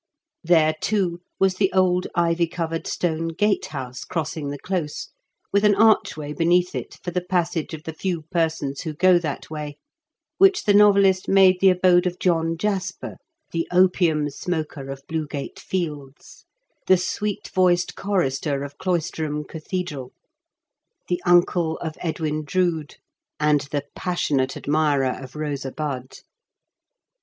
There, too, was the old ivy covered stone gate house crossing the close, with an archway beneath it for the passage , of the few persons who go that way, which the novelist made the abode of John Jasper, the opium smoker of Bluegate Fields, the sweet voiced chorister of Cloisterham Cathedral, the uncle of Edwin Drood, and the passionate admirer of Eosa Bud.